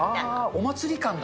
お祭り感だ。